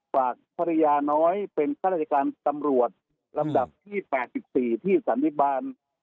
ฝากธรรยาน้อยเป็นท่าราชการตำรวจลำดับที่แปดสิบสี่ที่สถานีบอัน